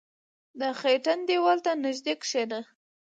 • د خټین دیوال ته نژدې کښېنه.